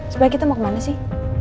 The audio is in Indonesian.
supaya kita mau kemana sih